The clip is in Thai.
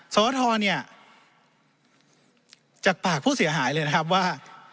สวทรเนี่ยจากปากผู้เสียหายเลยนะครับว่า